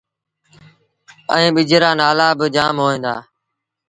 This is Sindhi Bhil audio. ائيٚݩ ٻج رآ نآلآ با جآم هوئين دآ